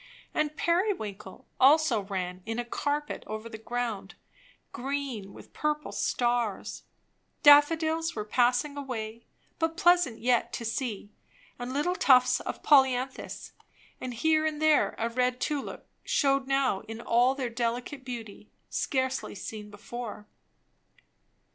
And periwinkle also ran in a carpet over the ground, green with purple stars; daffodils were passing away, but pleasant yet to see; and little tufts of polyanthus and here and there a red tulip shewed now in all their delicate beauty, scarcely seen before.